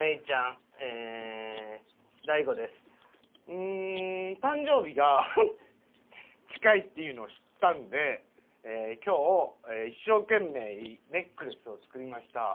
うーん誕生日が近いっていうのを知ったんで今日一生懸命ネックレスを作りました。